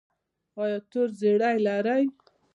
ایا تور زیړی لرئ؟